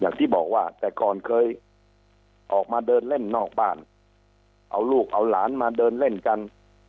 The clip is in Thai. อย่างที่บอกว่าแต่ก่อนเคยออกมาเดินเล่นนอกบ้านเอาลูกเอาหลานมาเดินเล่นกัน